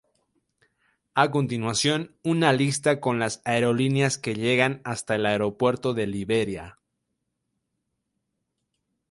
A continuación una lista con las aerolíneas que llegan hasta el aeropuerto de Liberia.